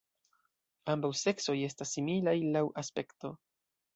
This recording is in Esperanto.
Ambaŭ seksoj estas similaj laŭ aspekto.